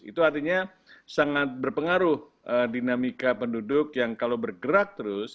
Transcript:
itu artinya sangat berpengaruh dinamika penduduk yang kalau bergerak terus